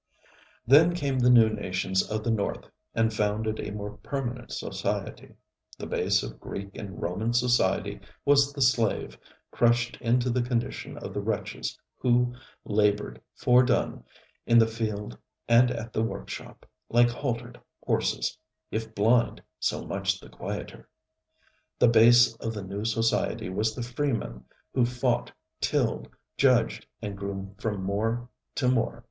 Then came the new nations of the North and founded a more permanent society. The base of Greek and Roman society was the slave, crushed into the condition of the wretches who ŌĆ£labored, foredone, in the field and at the workshop, like haltered horses, if blind, so much the quieter. ŌĆØ The base of the new society was the freeman who fought, tilled, judged and grew from more to more.